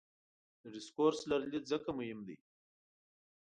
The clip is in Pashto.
د ډسکورس لرلید ځکه مهم دی.